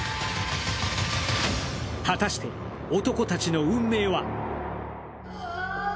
果たして男たちの運命は？